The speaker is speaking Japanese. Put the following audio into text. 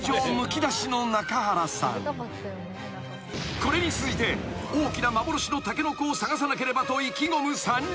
［これに続いて大きな幻のタケノコを探さなければと意気込む３人］